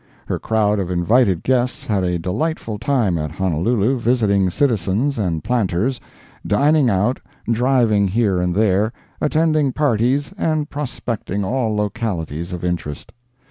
Her crowd of invited guests had a delightful time at Honolulu visiting citizens and planters, dining out, driving here and there, attending parties and prospecting all localities of interest.